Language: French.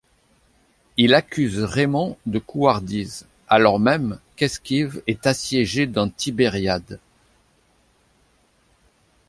Il accuse Raymond de couardise, alors même qu’Eschive est assiégée dans Tibériade.